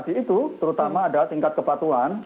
jadi itu terutama ada tingkat kepatuan